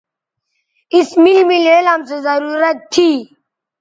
اس میل میل علم سو ضرورت تھی